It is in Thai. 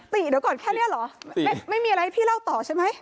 ติเดี๋ยวก่อนแค่นี้เหรอไม่มีอะไรพี่เล่าต่อใช่ไหม